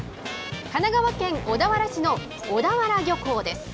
神奈川県小田原市の小田原漁港です。